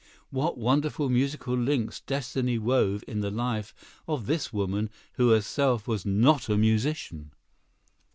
What wonderful musical links destiny wove in the life of this woman who herself was not a musician!